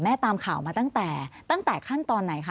มาตั้งแต่ครั้งตอนไหน